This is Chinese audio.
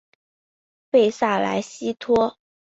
贝塞莱西托。